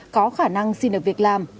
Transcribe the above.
có khả năng xin được việc làm